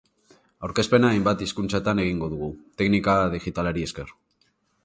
Aurkezpena hainbat hizkuntzatan egingo dugu, teknika digitalari esker.